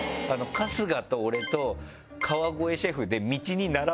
春日と俺と川越シェフで。